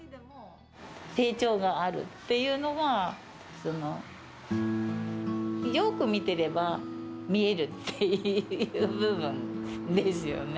成長があるっていうのは、よく見てれば見えるっていう部分ですよね。